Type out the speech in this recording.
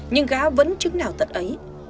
nhưng gá vẫn chứng nào tận ấy